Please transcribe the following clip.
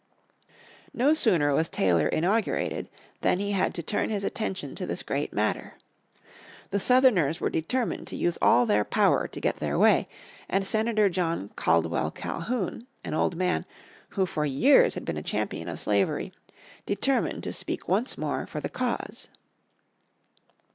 No sooner was Taylor inaugurated than he had to turn his attention to this great matter. The Southerners were determined to use all their power to get their way, and Senator John Caldwell Calhoun, an old man, who for years had been a champion of slavery, determined to speak once more for the cause.